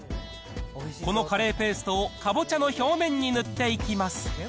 このカレーペーストをかぼちゃの表面に塗っていきます。